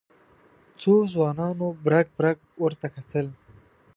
څو ځوانانو برګ برګ ورته کتل.